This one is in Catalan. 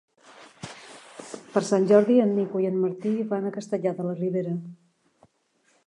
Per Sant Jordi en Nico i en Martí van a Castellar de la Ribera.